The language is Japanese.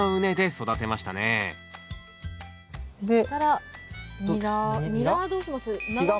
そしたらニラニラはどうします？